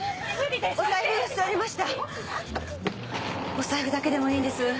お財布だけでもいいんです。